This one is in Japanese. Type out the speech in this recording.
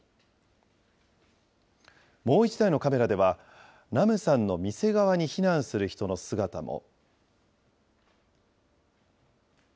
もう１台のカメラでは、ナムさんの店側に避難する人の姿も。